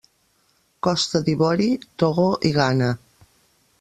Costa d'Ivori, Togo i Ghana.